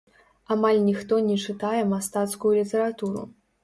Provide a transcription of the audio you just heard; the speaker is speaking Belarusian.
Амаль ніхто не чытае мастацкую літаратуру.